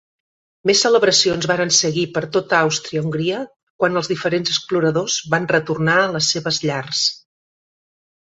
Més celebracions varen seguir per tota Àustria-Hongria quan els diferents exploradors van retornar a les seves llars.